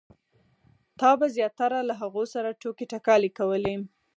تا به زیاتره له هغو سره ټوکې ټکالې کولې.